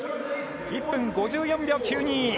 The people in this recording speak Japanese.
１分５４秒９２。